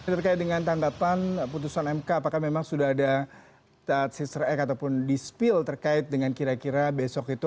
terkait dengan tanggapan putusan mk apakah memang sudah ada sister eg ataupun dispill terkait dengan kira kira besok itu